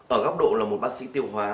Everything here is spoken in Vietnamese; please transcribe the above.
ở góc độ là một bác sĩ tiêu hóa